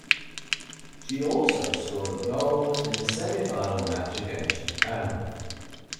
She also scored a goal in the semifinal match against Japan.